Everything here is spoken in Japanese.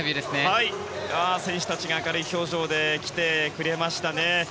選手たちが明るい表情で来てくれましたね。